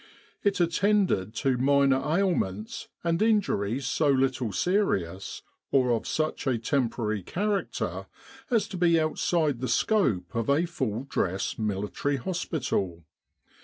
It attended to minor ailments and injuries so little serious, or of such a temporary character, as to be outside the scope of a full dress military hospital.